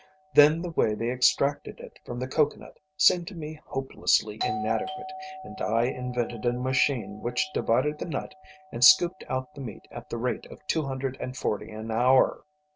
Then the way they extracted it from the coconut seemed to me hopelessly inadequate, and I invented a machine which divided the nut and scooped out the meat at the rate of two hundred and forty an hour.